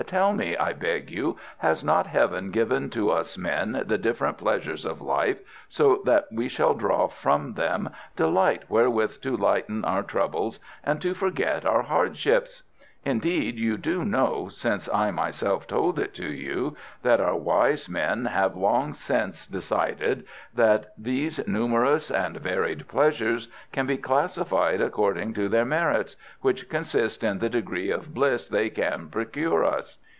"Tell me, I beg you, has not Heaven given to us men the different pleasures of life so that we shall draw from them delight wherewith to lighten our troubles and to forget our hardships? Indeed you do know, since I myself told it to you, that our wise men have long since decided that these numerous and varied pleasures can be classified according to their merits, which consist in the degree of bliss they can procure us.